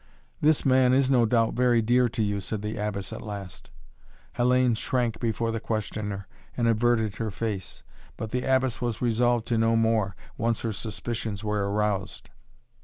"This man is, no doubt, very dear to you," said the Abbess at last. Hellayne shrank before the questioner and averted her face. But the Abbess was resolved to know more, once her suspicions were aroused.